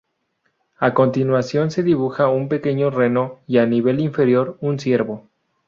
A continuación se dibuja un pequeño reno y a nivel inferior un ciervo.